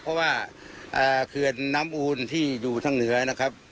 เพราะว่าเขื่อนน้ำอูนที่อยู่ทางเหนือนะครับ